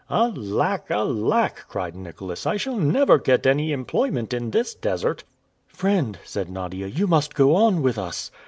"Alack, alack!" cried Nicholas, "I shall never get any employment in this desert!" "Friend," said Nadia, "you must go on with us."